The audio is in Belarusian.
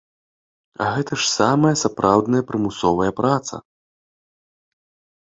А гэта ж самая сапраўдная прымусовая праца!